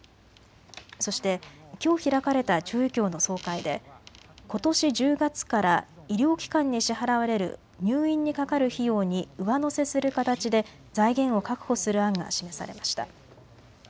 そして、きょう開かれた中医協の総会でことし１０月から医療機関に支払われる入院にかかる費用に上乗せする形で財源を確保する案が示されました。